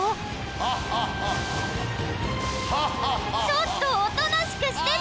ちょっとおとなしくしてて！